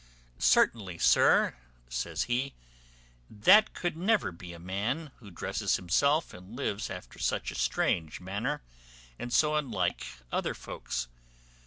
"Certainly, sir," says he, "that could never be a man, who dresses himself and lives after such a strange manner, and so unlike other folks.